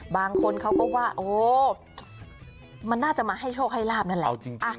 บางคนเขาก็ว่าโอ้มันน่าจะมาให้โชคให้ลาบนั่นแหละ